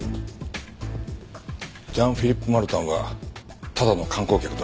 ジャン・フィリップ・マルタンはただの観光客ではなかった。